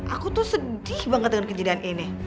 aku tuh sedih banget dengan kejadian ini